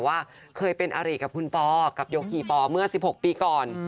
ว่าเคยเป็นอาริกับคุณปอกับโยคีปอเมื่อ๑๖ปีก่อน